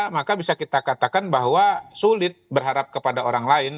maka bisa kita katakan bahwa sulit berharap kepada orang lain